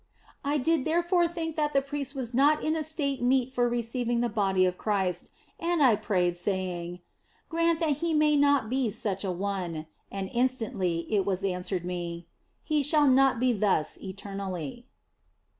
" I did therefore think that the priest was not in a state meet for receiving the Body of Christ, and I prayed, saying, " Grant that he may not be such a one," and instantly it was answered me, " He shall not be thus eternally."